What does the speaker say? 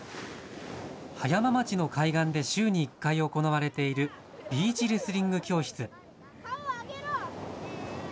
葉山町の海岸で週に１回、行われているビーチレスリング教室。